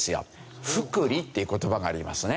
「複利」っていう言葉がありますね。